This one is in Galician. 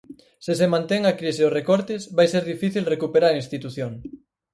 Se se mantén a crise e os recortes, vai ser difícil recuperar a institución.